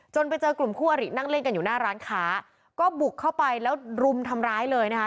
ไปเจอกลุ่มคู่อรินั่งเล่นกันอยู่หน้าร้านค้าก็บุกเข้าไปแล้วรุมทำร้ายเลยนะคะ